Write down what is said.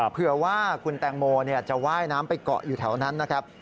เผื่อว่าคุณแตงโมจะว่ายน้ำไปเกาะอยู่แถวนั้นนะครับ